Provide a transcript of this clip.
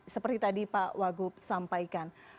seperti tadi pak wagub sampaikan